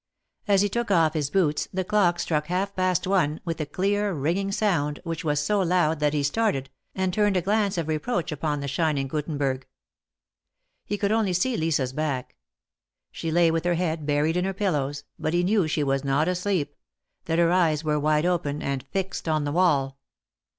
As he took off his boots the clock struck half past one, with a clear, ringing sound, which was so loud that he started, and turned a glance of reproach upon the shining Guttenberg. He could only see Lisa's back. She lay with her head buried in her pillows, but he knew she was not asleep — that her eyes were wide open, and fixed on the wall.